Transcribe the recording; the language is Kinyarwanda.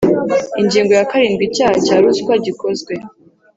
Ingingo ya karindwi Icyaha cya ruswa gikozwe